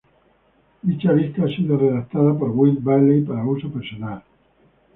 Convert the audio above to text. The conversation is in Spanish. Dicha lista ha sido redactada por Will Bailey para uso personal.